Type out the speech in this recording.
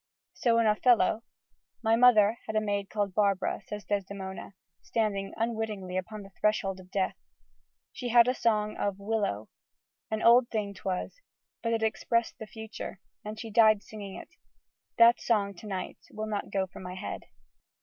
So in Othello: "My mother had a maid call'd Barbara," says Desdemona, standing unwittingly upon the threshold of death, "She had a song of 'willow'; An old thing 'twas, but it expressed the future, And she died singing it. That song, to night, Will not go from my head."